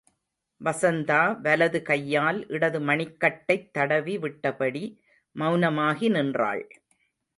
வசந்தா வலது கையால் இடது மணிக்கட்டைத் தடவி விட்டபடி மெளனமாகி நின்றாள்.